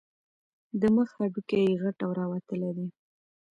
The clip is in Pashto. د مخ هډوکي یې غټ او راوتلي دي.